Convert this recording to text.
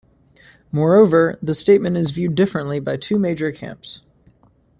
Moreover, the statement is viewed differently by two major camps.